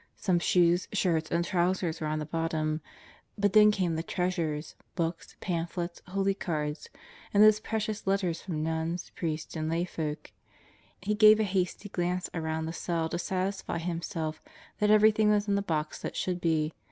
Some shoes, shirts, and trousers were on the bottom, but then came the treasures: books, pamphlets, holy cards, and those precious letters from nuns, priests, and layfolk. He gave a hasty glance around the cell to satisfy himself that everything was in the box that should be.